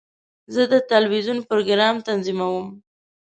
زه د ټلویزیون پروګرام تنظیموم.